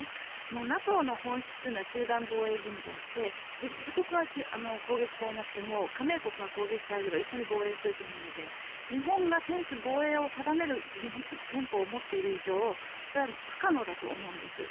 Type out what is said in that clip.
ＮＡＴＯの本質というのは集団防衛義務であって自国が攻撃されなくても加盟国が攻撃されれば一緒に防衛するというもので日本が専守防衛を定める憲法を持っている以上それは不可能だと思うんです。